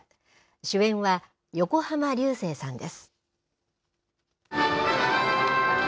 主演は横浜流星さんです。